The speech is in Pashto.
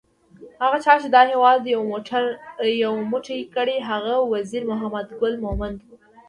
هغه چا چې دا هیواد یو موټی کړ هغه وزیر محمد ګل مومند وو